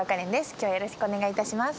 今日はよろしくお願いいたします。